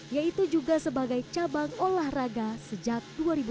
yaitu juga sebagai cabang olahraga sejak dua ribu tiga belas